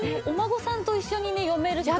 お孫さんと一緒に読める